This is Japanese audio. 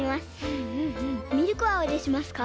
ミルクはおいれしますか？